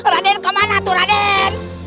raden kemana tuh raden